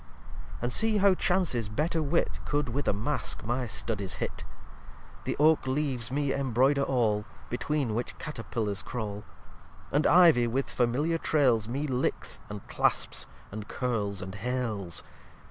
lxxiv And see how Chance's better Wit Could with a Mask my studies hit! The Oak Leaves me embroyder all, Between which Caterpillars crawl: And Ivy, with familiar trails, Me licks, and clasps, and curles, and hales.